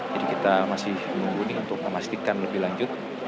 jadi kita masih bimbungi untuk memastikan lebih lanjut